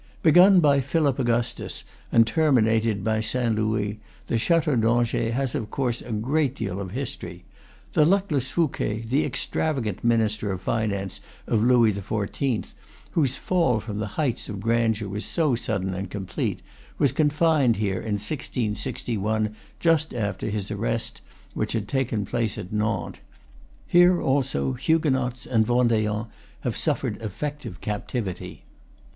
Begun by Philip Augustus, and terminated by St. Louis, the Chateau d'Angers has of course a great deal of history. The luckless Fouquet, the extravagant minister of finance of Louis XIV., whose fall from the heights of grandeur was so sudden and complete, was confined here in 1661, just after his arrest, which had taken place at Nantes. Here, also, Huguenots and Vendeans have suffered effective captivity.